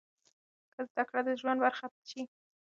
که زده کړه د ژوند برخه شي، ستونزې نه تکرارېږي.